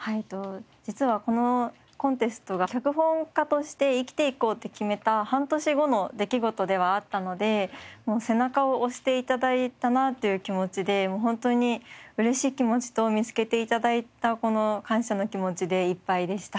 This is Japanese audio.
実はこのコンテストが脚本家として生きていこうって決めた半年後の出来事ではあったので背中を押して頂いたなという気持ちで本当に嬉しい気持ちと見つけて頂いたこの感謝の気持ちでいっぱいでした。